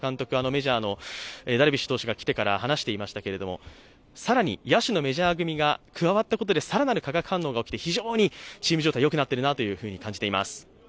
メジャーのダルビッシュ投手が来てから話してましたけど、更に夜襲のメジャー組が加わったことで更なる化学反応が起きて、非常にチーム状態よくなっているなと感じました。